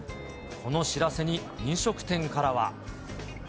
この知らせに飲食店からは。